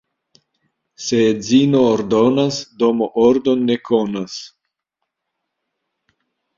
Se edzino ordonas, domo ordon ne konas.